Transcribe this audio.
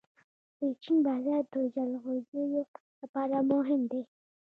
د چین بازار د جلغوزیو لپاره مهم دی.